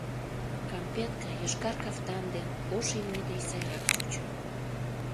Кампетке йошкар кафтан ден ош имне деч сайрак чучо.